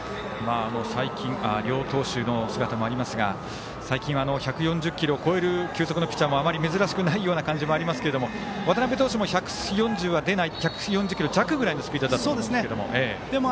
両投手の姿もありますが最近、１４０キロを超えるピッチャーも珍しくない感じがありますが、渡辺投手も１４０キロ弱ぐらいのスピードだと思うんですけども。